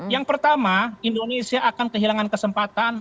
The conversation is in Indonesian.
yang pertama indonesia akan kehilangan kesempatan